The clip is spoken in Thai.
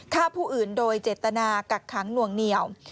ฆ่าผู้อื่นโดยเจตนากักขังหน่วงเหนียว